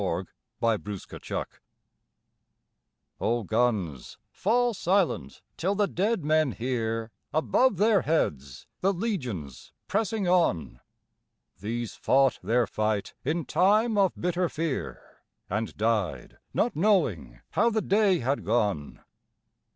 The Anxious Dead O guns, fall silent till the dead men hear Above their heads the legions pressing on: (These fought their fight in time of bitter fear, And died not knowing how the day had gone.)